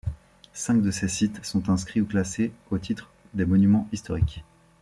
Cinq de ces sites sont inscrits ou classés au titre des monuments historiques.